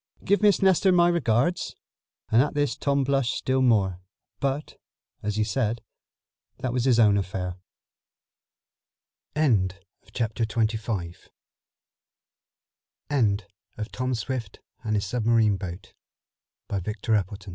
"Give Miss Nestor my regards," and at this Tom blushed still more. But, as he said, that was his own affair. End of the Project Gutenberg EBook of Tom Swift and his Submarine Boat, by Victor Appleton END OF THIS